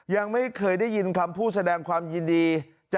ยังไม่เคยได้ยินคำพูดแสดงความยินดี